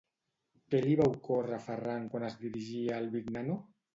Què li va ocórrer a Ferran quan es dirigia a Alvignano?